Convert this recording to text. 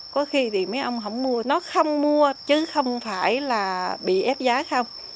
có khi thì mấy ông không mua nó không mua chứ không phải là bị ép giá không